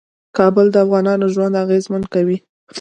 کابل د افغانانو ژوند اغېزمن کوي.